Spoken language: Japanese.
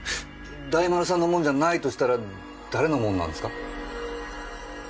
大丸さんのもんじゃないとしたら誰のもんなんですか？